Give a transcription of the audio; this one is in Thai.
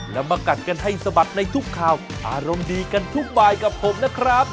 แล้วมากัดกันให้สะบัดในทุกข่าวอารมณ์ดีกันทุกบายกับผมนะครับ